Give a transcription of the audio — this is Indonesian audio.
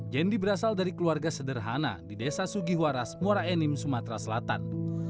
jendi berasal dari keluarga sederhana di desa sugihwaras muara enim sumatera selatan